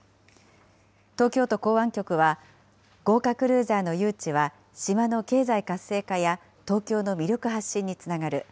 東京都港湾局は、豪華クルーザーの誘致は島の経済活性化や東京の魅力発信につながる。